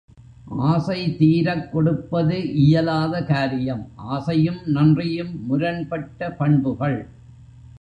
ஆசை தீரக் கொடுப்பது இயலாத காரியம். ஆசையும் நன்றியும் முரண்பட்ட பண்புகள்.